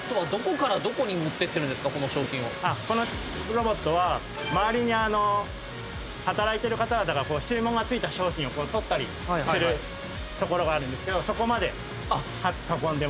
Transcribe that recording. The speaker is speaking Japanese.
このロボットは周りに働いてる方々が注文が付いた商品を取ったりする所があるんですがそこまで運んでます。